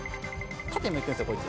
縦も行くんですこいつ。